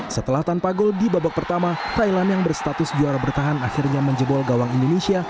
setelah tanpa gol di babak pertama thailand yang berstatus juara bertahan akhirnya menjebol gawang indonesia